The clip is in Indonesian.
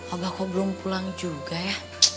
abah kau belum pulang juga ya